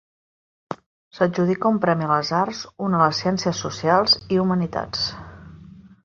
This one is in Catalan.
S'adjudica un premi a les arts, un a les ciències socials i humanitats.